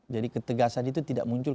jadi ketegasan itu tidak muncul